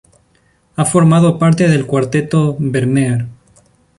Ha formado parte del Cuarteto Vermeer.